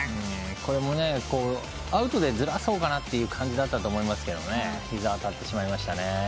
これも、アウトでずらそうかなという感じだったと思いましたけど膝に当たってしまいましたね。